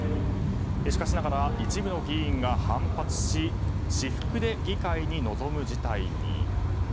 しかしながら一部の議員が反発し私服で議会に臨む事態に。